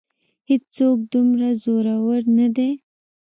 هېڅ څوک دومره زورور نه دی.